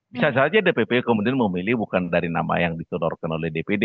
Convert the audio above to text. bisa saja dpp kemudian memilih bukan dari nama yang disodorkan oleh dpd